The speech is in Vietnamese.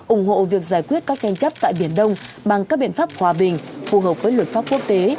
ủng hộ việc giải quyết các tranh chấp tại biển đông bằng các biện pháp hòa bình phù hợp với luật pháp quốc tế